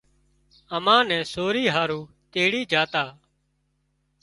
امان نين سوري هارو تيڙي جھا تا